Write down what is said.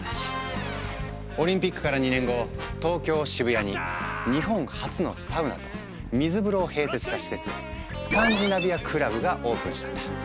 オリンピックから２年後東京・渋谷に日本初のサウナと水風呂を併設した施設「スカンジナビアクラブ」がオープンしたんだ。